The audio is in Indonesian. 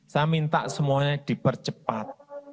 saya minta semuanya dipercepat